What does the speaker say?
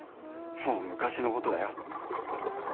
もう昔のことだよ。